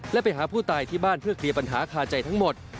และไปหาผู้ตายที่บ้านเพื่อเคลียร์ปัญหาคาใจทั้งหมด